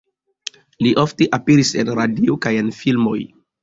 Li ofte aperis en radio kaj en filmoj.